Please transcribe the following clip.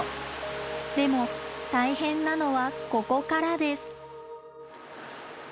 でも大変なのはここからです。